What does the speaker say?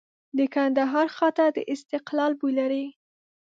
د کندهار خټه د استقلال بوی لري.